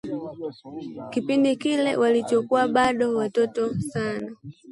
Kipindi kile walikuwa bado watotot sana